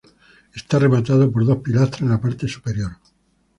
Está rematado por dos pilastras en la parte superior.